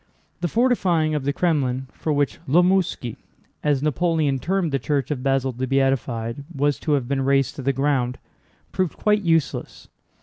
The fortifying of the Krémlin, for which la Mosquée (as Napoleon termed the church of Basil the Beatified) was to have been razed to the ground, proved quite useless.